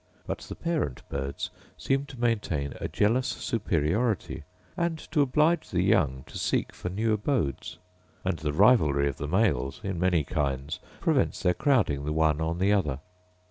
But the parent birds seem to maintain a jealous superiority, and to oblige the young to seek for new abodes: and the rivalry of the males, in many kinds, prevents their crowding the one on the other.